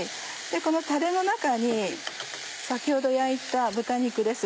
このたれの中に先ほど焼いた豚肉です。